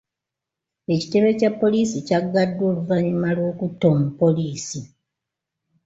Ekitebe kya poliisi kyaggaddwa oluvannyuma lw'okutta omupoliisi.